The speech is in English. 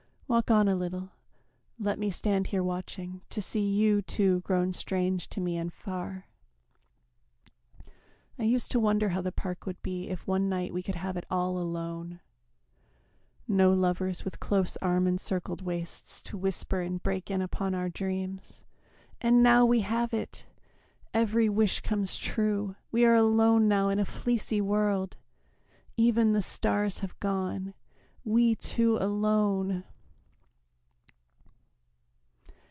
Walk on a little, let me stand here watching To see you, too, grown strange to me and far. ... I used to wonder how the park would be If one night we could have it all alone No lovers with close arm encircled waists To whisper and break in upon our dreams. And now we have it! Every wish comes true! We are alone now in a fleecy world; Even the stars have gone. We two alone!